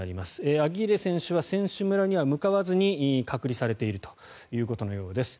アギーレ選手は選手村には向かわずに隔離されているということのようです。